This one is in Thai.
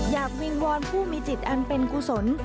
วิงวอนผู้มีจิตอันเป็นกุศล